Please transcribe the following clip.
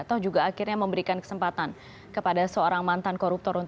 atau juga akhirnya memberikan kesempatan kepada seorang mantan koruptor